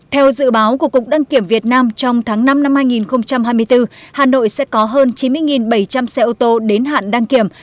theo dự báo của cục đăng kiểm việt nam trong tháng năm năm hai nghìn hai mươi bốn hà nội sẽ có hơn chín mươi bảy trăm linh xe ô tô đến hạn đăng kiểm